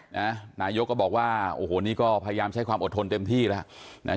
นายกก็บอกว่าโอ้โหนี่ก็พยายามใช้ความอดทนเต็มที่แล้ว